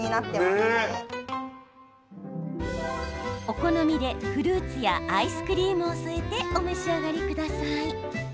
お好みでフルーツやアイスクリームを添えてお召し上がりください。